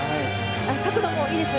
角度もいいです。